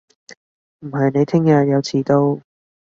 唔係你聽日又遲到